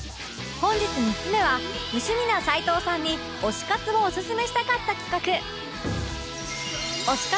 本日３つ目は無趣味な齊藤さんに推し活をオススメしたかった企画